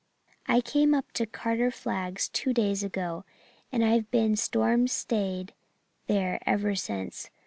'I came up to Carter Flagg's two days ago and I've been stormed stayed there ever since.